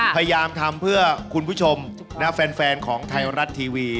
พยายามทำเพื่อคุณผู้ชมและแฟนของไทยรัฐทีวี